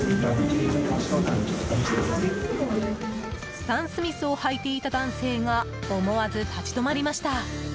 スタンスミスを履いていた男性が、思わず立ち止まりました。